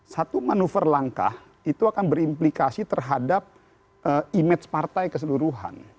satu manuver langkah itu akan berimplikasi terhadap image partai keseluruhan